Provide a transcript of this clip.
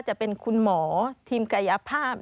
จะเป็นคุณหมอทีมกายภาพ